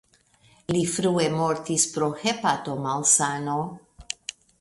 Li frue mortis pro hepatomalsano.